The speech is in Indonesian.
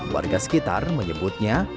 warga sekitar menyebutnya